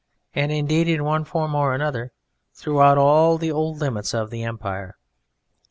And indeed, in one form or another, throughout all the old limits of the Empire.